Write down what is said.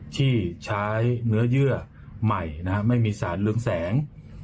ที่ใช้เนื้อเยื่อใหม่ไม่มีสารเรืองแสง